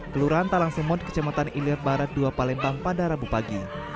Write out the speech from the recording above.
kelurahan talang semot kecamatan ilir barat dua palembang pada rabu pagi